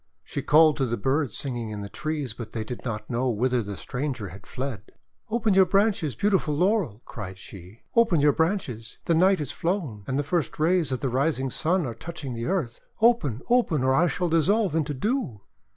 She called to the birds singing in the trees, but they did not know whither the stranger had fled. "Open your branches, beautiful Laurel," cried she, " open your branches ! The night is flown, and the first rays of the rising Sun are touching the earth. Open, open, or I shall dissolve into dew!'